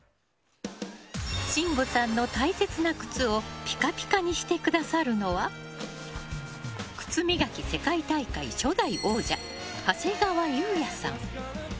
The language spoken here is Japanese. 信五さんの大切な靴をピカピカにしてくださるのは靴磨き世界大会初代王者長谷川裕也さん。